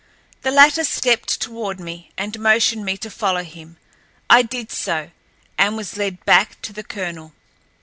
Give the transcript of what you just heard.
The latter stepped toward me and motioned me to follow him. I did so, and was led back to the colonel.